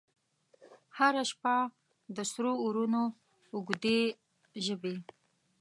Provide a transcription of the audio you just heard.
هره شپه د سرو اورونو، اوږدي ژبې،